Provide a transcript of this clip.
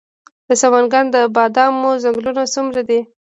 د سمنګان د بادامو ځنګلونه څومره دي؟